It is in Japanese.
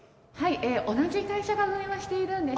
同じ会社が運営はしているんですが。